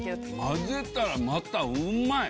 混ぜたらまたうまい！